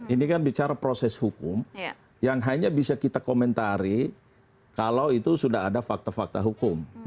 ini kan bicara proses hukum yang hanya bisa kita komentari kalau itu sudah ada fakta fakta hukum